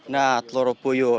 nah telur puyuh